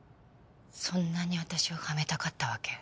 そんなに私をはめたかったわけ？